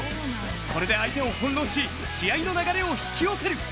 これで相手を翻弄し試合の流れを引き寄せる。